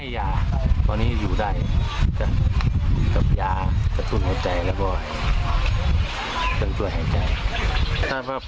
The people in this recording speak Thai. โรงเรียนมันจะมาตะ